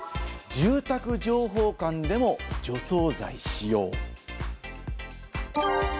住宅情報館でも除草剤使用。